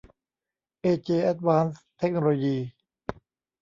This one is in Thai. เอเจ แอดวานซ์ เทคโนโลยี